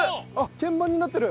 鍵盤になってる。